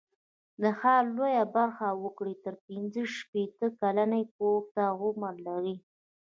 د ښار لویه برخه وګړي تر پینځه شپېته کلنۍ پورته عمر لري.